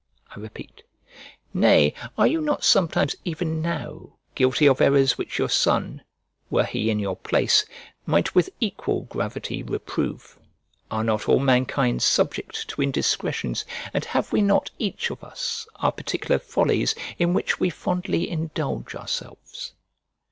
I repeat. Nay, are you not sometimes even now guilty of errors which your son, were he in your place, might with equal gravity reprove? Are not all mankind subject to indiscretions? And have we not each of us our particular follies in which we fondly indulge ourselves?"